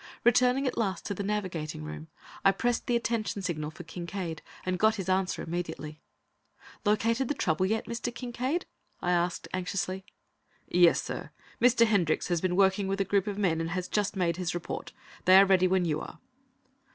Returning at last to the navigating room, I pressed the attention signal for Kincaide, and got his answer immediately. "Located the trouble yet, Mr. Kincaide?" I asked anxiously. "Yes, sir! Mr. Hendricks has been working with a group of men and has just made his report. They are ready when you are."